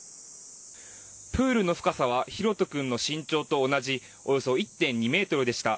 プールの深さは大翔君の身長と同じおよそ１．２ｍでした。